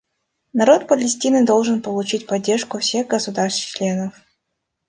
Народ Палестины должен получить поддержку всех государств-членов.